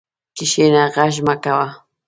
کښېنه، غږ مه کوه.